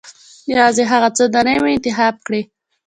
یوازې هغه څو دانې مې انتخاب کړې.